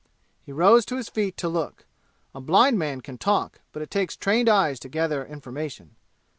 He rose to his feet to look. A blind man can talk, but it takes trained eyes to gather information.